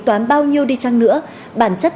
toán bao nhiêu đi chăng nữa bản chất